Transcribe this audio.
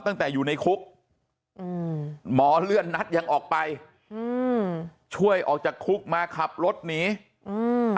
ตั้งแต่อยู่ในคุกอืมหมอเลื่อนนัดยังออกไปอืมช่วยออกจากคุกมาขับรถหนีอืม